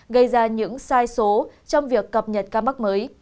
gây ra những sai số trong việc cập nhật ca mắc mới